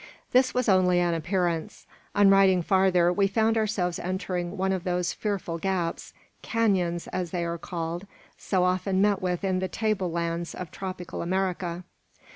This was only an appearance. On riding farther, we found ourselves entering one of those fearful gaps, canons, as they are called, so often met with in the table lands of tropical America.